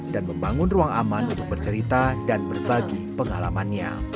dan membangun ruang aman untuk bercerita dan berbagi pengalamannya